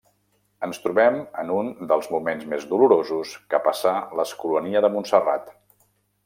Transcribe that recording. Ens trobem en un dels moments més dolorosos que passà l'Escolania de Montserrat.